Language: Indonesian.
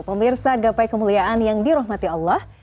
pemirsa gapai kemuliaan yang dirahmati allah